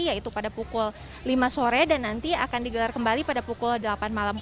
yaitu pada pukul lima sore dan nanti akan digelar kembali pada pukul delapan malam